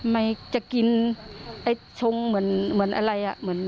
ไม่จะกินชงเหมือนอะไร